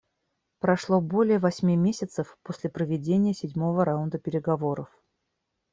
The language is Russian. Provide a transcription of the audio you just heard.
Прошло более восьми месяцев после проведения седьмого раунда переговоров.